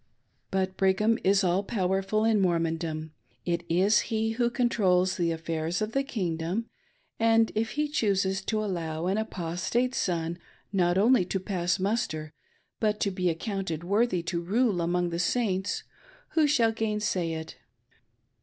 But Brigham is aU powerful in MprTOondom ; it is he who controls the affairs of the "Kingdoni"; and if he chooses to allow an Apostate son not only to .pass muster hu,t to be accounted worthy to rule among the Saints, who shall gainsay it